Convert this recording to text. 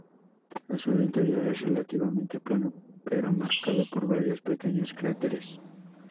El suelo interior es relativamente plano, pero marcado por varios pequeños cráteres.